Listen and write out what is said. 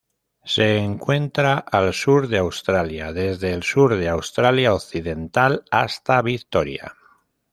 Se encuentra al sur de Australia: desde el sur de Australia Occidental hasta Victoria.